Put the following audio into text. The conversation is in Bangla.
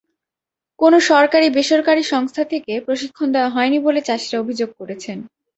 কোনো সরকারি-বেসরকারি সংস্থা থেকে প্রশিক্ষণ দেওয়া হয়নি বলে চাষিরা অভিযোগ করেছেন।